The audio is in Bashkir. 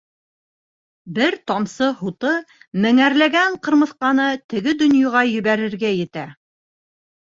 Бер тамсы һуты меңәрләгән ҡырмыҫҡаны теге донъяға ебәрергә етә!